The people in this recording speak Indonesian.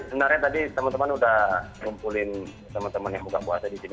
sebenarnya tadi teman teman udah ngumpulin teman teman yang buka puasa di sini